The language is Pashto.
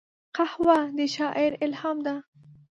قهوه د شاعر الهام ده